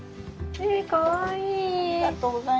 えかわいい！